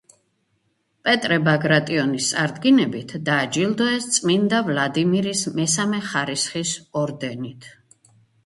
პეტრე ბაგრატიონის წარდგინებით დააჯილდოეს წმინდა ვლადიმირის მესამე ხარისხის ორდენით.